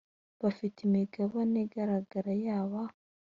bafite imigabane igaragara yaba